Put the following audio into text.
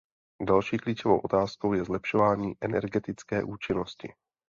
Další klíčovou otázkou je zlepšování energetické účinnosti.